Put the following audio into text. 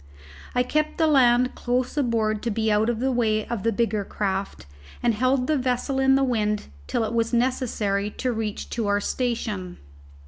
I kept the land close aboard to be out of the way of the bigger craft, and held the vessel in the wind till it was necessary to reach to our station.